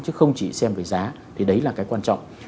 chứ không chỉ xem về giá thì đấy là cái quan trọng